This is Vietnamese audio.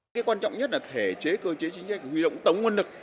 cái quan trọng nhất là thể chế cơ chế chính trách huy động tổng nguồn lực